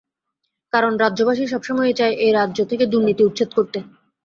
কারণ, রাজ্যবাসী সব সময়ই চায় এই রাজ্য থেকে দুর্নীতি উচ্ছেদ করতে।